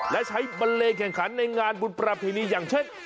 และใช้บันเลงแข่งขันในงานบุญประเพณีอย่างเช่น